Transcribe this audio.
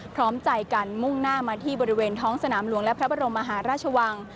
พร้อมใจกันมุ่งหน้ามาที่บริเวณท้องสนามหลวงและพระบรมมหาราชวัง